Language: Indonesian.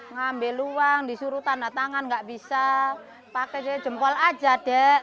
ngambil uang disuruh tanda tangan gak bisa pakai jempol aja dek